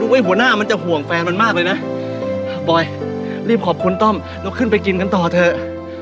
หัวหน้ามันจะห่วงแฟนมันมากเลยนะบอยรีบขอบคุณต้อมแล้วขึ้นไปกินกันต่อเถอะ